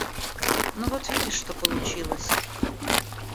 Ну вот видишь, что получилось?